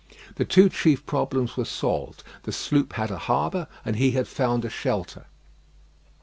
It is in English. The two chief problems were solved; the sloop had a harbour, and he had found a shelter.